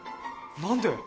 何で？